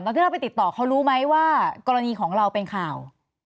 ที่เราไปติดต่อเขารู้ไหมว่ากรณีของเราเป็นข่าว